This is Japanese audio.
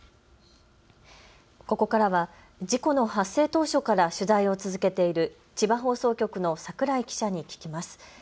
ここからは事故の発生当初から取材を続けている千葉放送局の櫻井記者に聞きます。